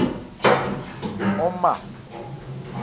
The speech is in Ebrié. Ɔ́n ma.